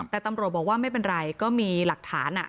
แต่ตำรวจบอกว่าไม่เป็นไรก็มีหลักฐาน